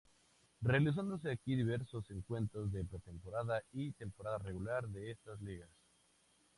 Realizándose aquí diversos encuentros de pretemporada y temporada regular de estas ligas.